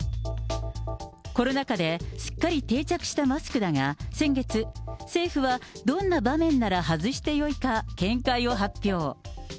コロナ禍で、すっかり定着したマスクだが、先月、政府は、どんな場面なら外してよいか見解を発表。